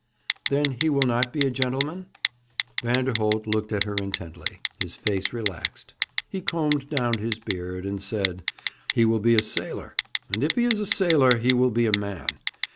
'Then, he will not be a gentleman?' Vanderholt looked at her intently. His face relaxed. He combed down his beard, and said: 'He will be a sailor; and if he is a sailor, he will be a man.